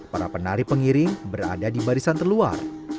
para penari pengiring berada di barisan terluar